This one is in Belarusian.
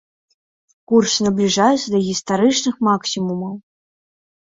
Курсы набліжаюцца да гістарычных максімумаў.